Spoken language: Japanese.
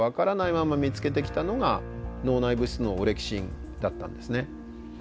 まんま見つけてきたのが脳内物質のオレキシンだったんですね。